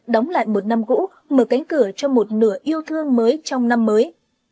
đóng lại một năm cũ mở cánh cửa cho một nửa yêu thương mới trong năm mới